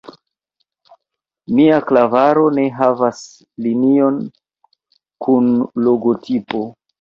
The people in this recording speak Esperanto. Mia klavaro ne havas linion kun logotipo.